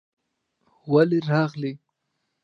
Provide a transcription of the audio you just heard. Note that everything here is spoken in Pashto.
ولې راغلې؟